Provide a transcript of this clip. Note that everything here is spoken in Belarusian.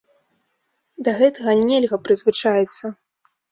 Да гэтага нельга прызвычаіцца.